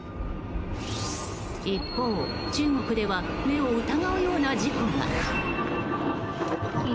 一方、中国では目を疑うような事故が。